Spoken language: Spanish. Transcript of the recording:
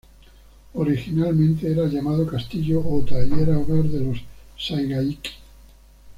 Originalmente era llamado Castillo Ōta y era hogar de los Saiga Ikki.